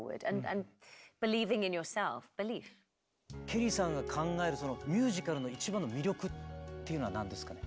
ケリーさんが考えるミュージカルの一番の魅力っていうのは何ですか？